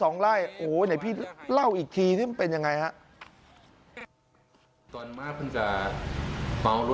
โอ้เดี๋ยวไหนพี่เล่าอีกทีที่มันเป็นยังไงครับ